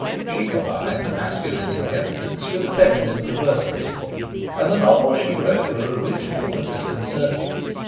She combined a masculine intelligence with a feminine perversity, and the novels she wrote were original and disconcerting.